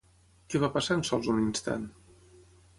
Què va passar en sols un instant?